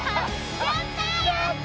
やった！